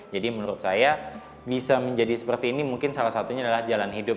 jadi menurut saya bisa menjadi seperti ini mungkin salah satunya adalah jalan hidup ya